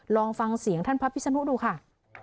ลองฟังเสียงท่านพระพิศนุดูค่ะ